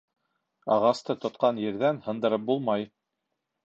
Ағасты тотҡан ерҙән һындырып булмай.